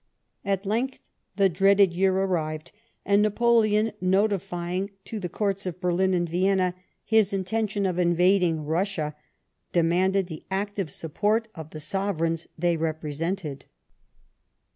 At length the dreaded year arrived, and Napoleon, notifying to the Courts of Berlin and Vienna his intention of invading Russia, demanded the active support of the sovereigns they represented.